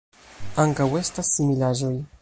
Ankaŭ estas similaĵoj.